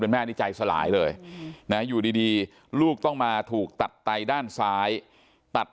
แม่นี่ใจสลายเลยนะอยู่ดีลูกต้องมาถูกตัดไตด้านซ้ายตัด